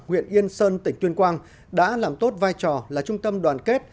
huyện yên sơn tỉnh tuyên quang đã làm tốt vai trò là trung tâm đoàn kết